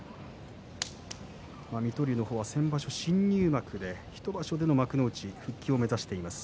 水戸龍の方は先場所新入幕で１場所での幕内復帰を目指しています。